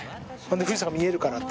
富士山が見えるからって。